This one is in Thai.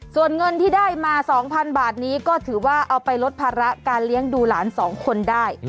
ส่วนเงินที่ได้มา๒๐๐๐บาทนี้ก็ถือว่าเอาไปลดภาระการเลี้ยงดูหลาน๒คนได้